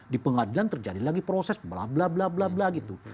di pengadilan terjadi lagi proses bla bla bla bla gitu